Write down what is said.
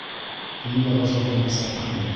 Һин дә ғазапланасаҡһың.